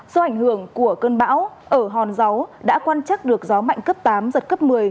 do ảnh hưởng của cơn bão ở hòn dấu đã quan trắc được gió mạnh cấp tám giật cấp một mươi